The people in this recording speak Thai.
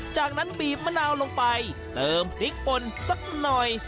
จากนั้นบีบมะนาวลงไปเติมพริกป่นสักหน่อย